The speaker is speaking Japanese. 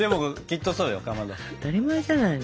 当たり前じゃないの。